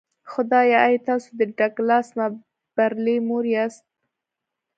خدایه ایا تاسو د ډګلاس مابرلي مور یاست